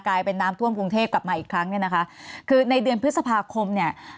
กลายเป็นน้ำท่วมกรุงเทพกลับมาอีกครั้งเนี่ยนะคะคือในเดือนพฤษภาคมเนี่ย